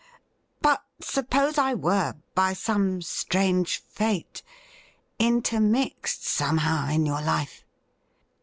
But suppose I were, by some strange fate, intermixed somehow in your life